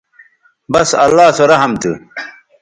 بس اللہ سو رحم تھو